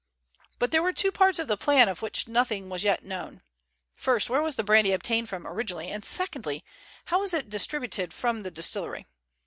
But there were two parts of the plan of which nothing was yet known. Firstly, where was the brandy obtained from originally, and, secondly, how was it distributed from the distillery?